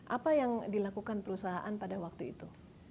apa yang dilakukan perusahaan pada waktu itu